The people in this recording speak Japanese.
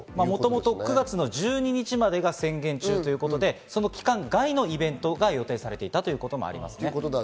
９月の１２日までが宣言中ということで、宣言期間外のイベントが予定されていたということもありますね。